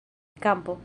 kampo